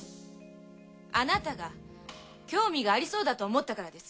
あなたが興味がありそうだと思ったからです。